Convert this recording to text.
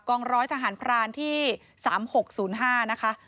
องร้อยทหารพรานที่๓๖๐๕นะคะ